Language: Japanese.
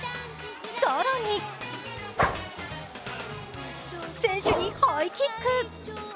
更に選手にハイキック。